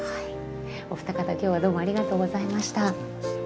お二方今日はどうもありがとうございました。